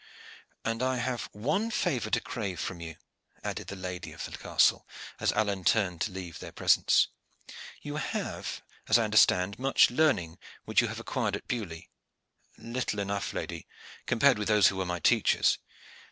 "And I have one favor to crave from you," added the lady of the castle, as Alleyne turned to leave their presence. "You have, as I understand, much learning which you have acquired at Beaulieu." "Little enough, lady, compared with those who were my teachers."